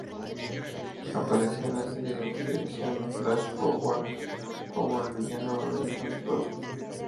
Apareció en la serie de televisión "FlashForward" como el villano Dyson Frost.